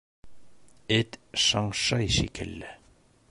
— Эт шыңшый шикелле.